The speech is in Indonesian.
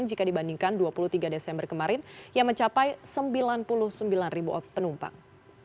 jika dibandingkan dua puluh tiga desember kemarin yang mencapai sembilan puluh sembilan ribu penumpang